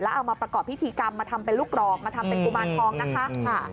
เอามาประกอบพิธีกรรมมาทำเป็นลูกกรอกมาทำเป็นกุมารทองนะคะ